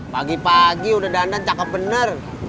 pagi pagi udah dandan cakep bener